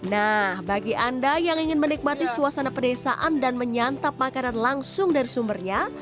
nah bagi anda yang ingin menikmati suasana pedesaan dan menyantap makanan langsung dari sumbernya